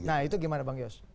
nah itu gimana bang yos